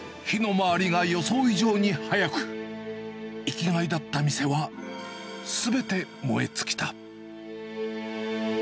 火の回りが予想以上に早く、生きがいだった店は、すべて燃え尽きた。